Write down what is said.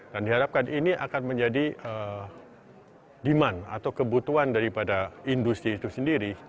diharapkan ini akan menjadi demand atau kebutuhan daripada industri itu sendiri